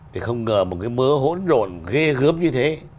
thì không ngờ một cái mớ hỗn độn ghê gớm như thế